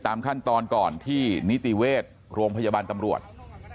ตามขั้นตอนก่อนที่นิติเวชโรงพยาบาลตำรวจ